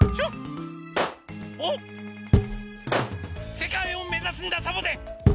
せかいをめざすんだサボテン。